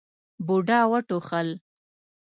بوډا وټوخل.